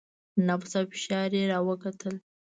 نبض او فشار يې راوکتل.